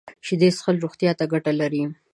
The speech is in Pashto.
شیدې څښل روغتیا ته ګټه لري